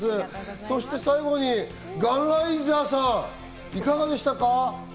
そして最後にガンライザーさん、いかがでしたか？